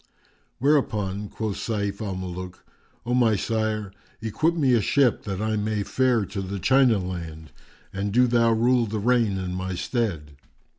Whereupon quoth Sayf al Muluk, "O my sire, equip me a ship, that I may fare to the China land; and do thou rule the reign in my stead."